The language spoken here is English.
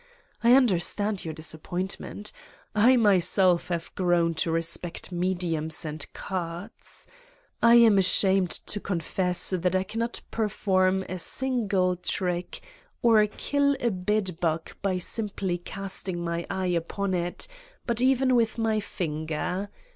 I understand your disappointment. I myself have grown to respect mediums and cards. I am ashamed to confess that I cannot perform a single trick or kill a bedbug by simply casting my eye upon it, but even with my finger.